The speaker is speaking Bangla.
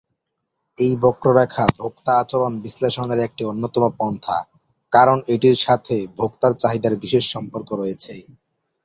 এই বক্ররেখা ভোক্তা আচরণ বিশ্লেষণের একটি অন্যতম পন্থা কারণ এটির সাথে ভোক্তার চাহিদার বিশেষ সম্পর্ক রয়েছে।